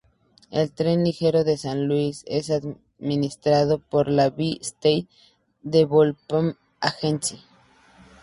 El Tren Ligero de San Luis es administrado por la Bi-State Development Agency.